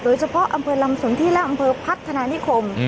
โดยเฉพาะอำเภอลำสนที่และอำเภอพัฒนานิคม